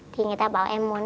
thì người ta bảo em muốn